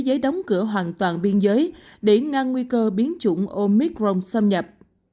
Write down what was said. giới đóng cửa hoàn toàn biên giới để ngăn nguy cơ biến chủng omicron xâm nhập